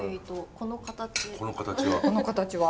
この形は。